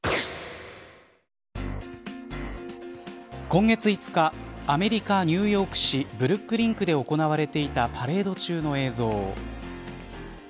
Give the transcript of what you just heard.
今月５日アメリカ、ニューヨーク市ブルックリン区で行われていたパレード中の映像。